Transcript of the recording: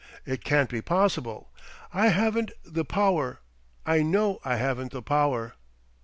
It can't be possible! I haven't the power. I know I haven't the power."